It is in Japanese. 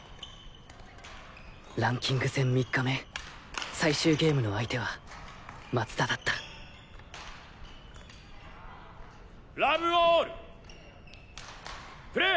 ランキング戦３日目最終ゲームの相手は松田だったラブオールプレー！